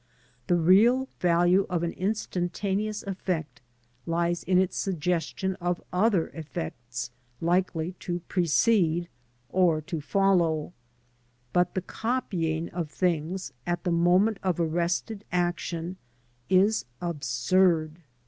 The real value of an instantaneous effect lies in its suggestion of other effects likely to precede or to follow, but the copying of things at the moment of arrested action is absurd.